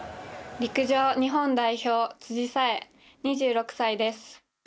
陸上日本代表辻沙絵、２６歳です。